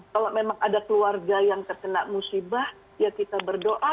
kalau memang ada keluarga yang terkena musibah ya kita berdoa